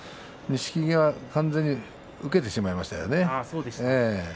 錦木は完全にこれを受けてしまいましたね。